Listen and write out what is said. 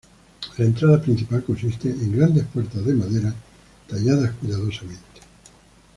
La entrada principal consiste en grandes puertas de madera tallada cuidadosamente.